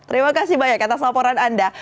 terima kasih banyak atas laporan anda